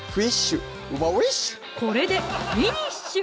これでフィニッシュ！